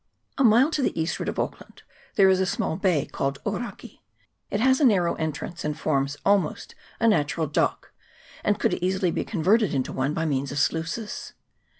A mile to the eastward of Auckland there is a small bay called Oraki ; it has a narrow entrance, and forms almost a natural dock, and could easily be converted into one by means of sluices.